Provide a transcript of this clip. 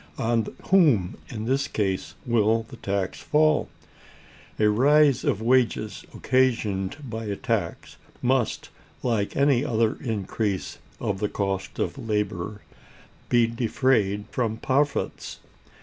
On whom, in this case, will the tax fall? A rise of wages occasioned by a tax must, like any other increase of the cost of labor, be defrayed from profits.